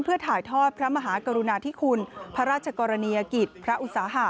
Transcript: เพื่อถ่ายทอดพระมหากรุณาธิคุณพระราชกรณียกิจพระอุตสาหะ